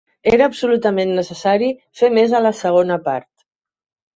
Era absolutament necessari fer més a la segona part.